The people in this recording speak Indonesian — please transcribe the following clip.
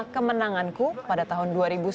kemenanganku pada tahun dua ribu sepuluh